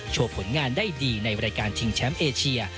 ผลงานได้ดีในรายการชิงแชมป์เอเชีย